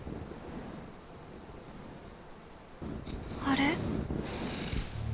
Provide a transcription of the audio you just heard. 「あれ？